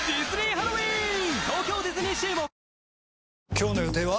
今日の予定は？